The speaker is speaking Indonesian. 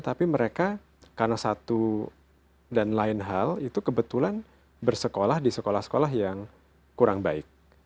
tapi mereka karena satu dan lain hal itu kebetulan bersekolah di sekolah sekolah yang kurang baik